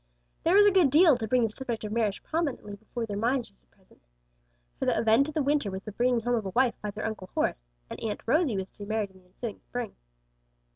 There was a good deal to bring the subject of marriage prominently before their minds just at present, for the event of the winter was the bringing home of a wife by their Uncle Horace, and "Aunt Rosie" was to be married in the ensuing spring.